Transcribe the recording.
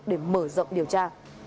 để mở rộng điều tra